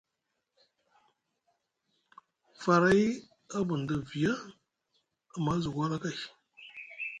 Faray a bunda viya, amma a zuku wala kay.